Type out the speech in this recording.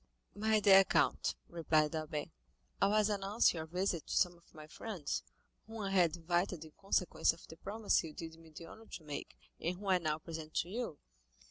"My dear count," replied Albert, "I was announcing your visit to some of my friends, whom I had invited in consequence of the promise you did me the honor to make, and whom I now present to you.